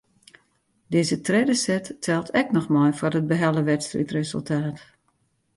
Dizze tredde set teld ek noch mei foar it behelle wedstriidresultaat.